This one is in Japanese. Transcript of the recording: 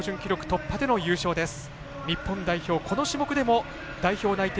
突破での優勝です。